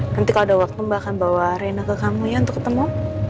nanti kalau ada waktu mbak akan bawa rena ke kamu ya untuk ketemu